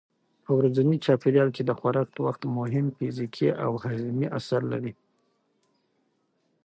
په ورځني چاپېریال کې د خوراک وخت مهم فزیکي او هاضمي اثر لري.